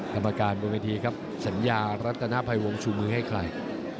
กรรมการบนเวทีครับสัญญารัตนภัยวงชูมือให้ใคร